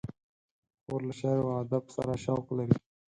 خور له شعر و ادب سره شوق لري.